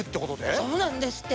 そうなんですって。